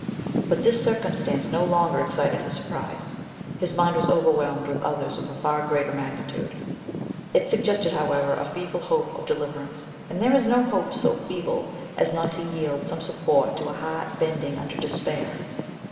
But this circumstance no longer excited his surprise. His mind was overwhelmed with others of a far greater magnitude. It suggested, however, a feeble hope of deliver ance ; and there is no hope so feeble as not to yield some support to a heart bending under despair.